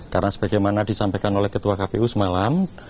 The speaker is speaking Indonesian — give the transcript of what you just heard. karena sebagaimana disampaikan oleh ketua kpu semalam